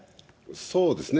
そうですね。